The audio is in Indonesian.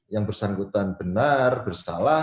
yang bersangkutan benar bersalah